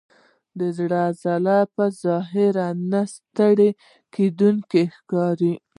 د زړه عضله په ظاهره نه ستړی کېدونکې ښکاري.